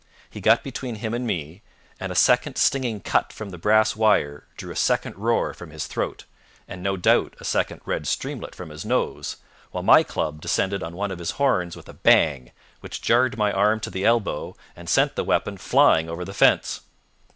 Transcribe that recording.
He got between him and me, and a second stinging cut from the brass wire drew a second roar from his throat, and no doubt a second red streamlet from his nose, while my club descended on one of his horns with a bang which jarred my arm to the elbow, and sent the weapon flying over the fence.